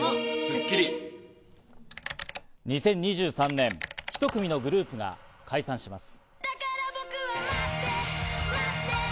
２０２３年、１組のグループが解散します。